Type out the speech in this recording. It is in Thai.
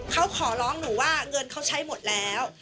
เขาขอร้องหนูว่าเงินเขาใช้หมดแล้ว